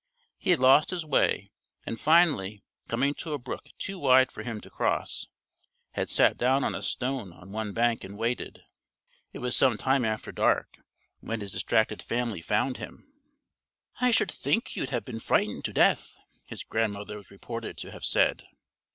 He had lost his way and finally, coming to a brook too wide for him to cross, had sat down on a stone on one bank and waited. It was some time after dark when his distracted family found him. "I should think you'd have been frightened to death," his grandmother was reported to have said.